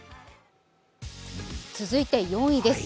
続いて４位です。